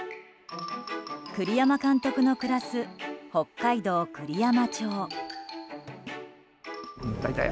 栗山監督の暮らす北海道栗山町。